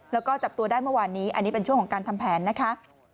แล้วก็จับตัวได้เมื่อวานนี้อันนี้เป็นช่วงของการทำแผนนะคะ